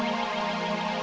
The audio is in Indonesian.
yang lain dalam dalam ulasan